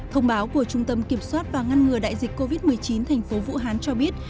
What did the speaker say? thông báo của trung tâm kiểm soát và ngăn ngừa đại dịch covid một mươi chín thành phố vũ hán cho biết